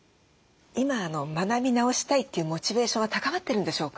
今学び直したいというモチベーションは高まってるんでしょうか？